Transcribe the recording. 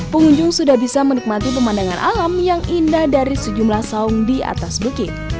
pengunjung sudah bisa menikmati pemandangan alam yang indah dari sejumlah saung di atas bukit